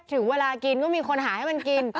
ถึงเวลากินก็มีคนหาให้มันกิน